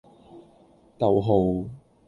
逗號